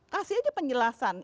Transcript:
kasih aja penjelasan